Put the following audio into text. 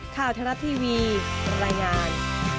ข้าวธนาทีวีรายงาน